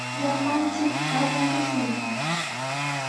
Llapanchik qayakushun.